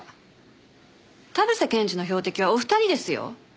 田臥検事の標的はお二人ですよ。